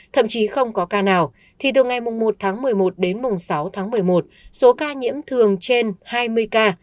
thậm chí không có ca nào thì từ ngày một tháng một mươi một đến sáu tháng một mươi một số ca nhiễm thường trên hai mươi ca